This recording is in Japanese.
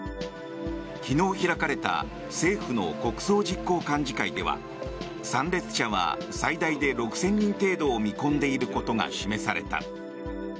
昨日、開かれた政府の国葬実行幹事会では参列者は最大で６０００人程度を見込んでいることが示された。